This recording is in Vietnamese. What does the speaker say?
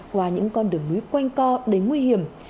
qua những con đường núi quanh co đầy nguy hiểm